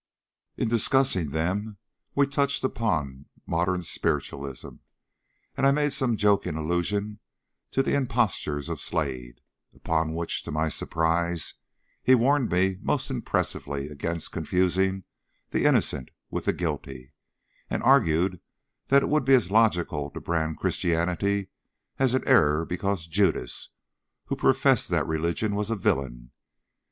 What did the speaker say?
In discussing them we touched upon modern spiritualism, and I made some joking allusion to the impostures of Slade, upon which, to my surprise, he warned me most impressively against confusing the innocent with the guilty, and argued that it would be as logical to brand Christianity as an error because Judas, who professed that religion, was a villain.